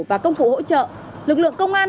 và công cụ hỗ trợ lực lượng công an